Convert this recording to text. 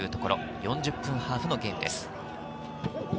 ４０分ハーフのゲームです。